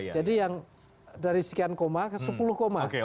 jadi yang dari sekian koma ke sepuluh koma